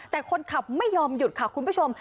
แต่คนขับไม่ยอมหยุดค่ะคุณผู้ชม